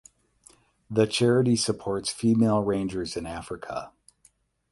The charity supports female rangers in Africa.